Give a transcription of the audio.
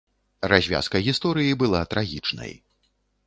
Развязка гісторыі была трагічнай.